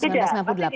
tidak pasti tidak